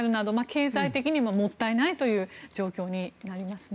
経済的にももったいないという状況になりますね。